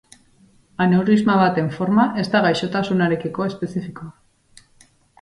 Aneurisma baten forma ez da gaixotasunarekiko espezifikoa.